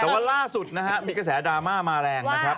แต่ว่าล่าสุดนะฮะมีกระแสดราม่ามาแรงนะครับ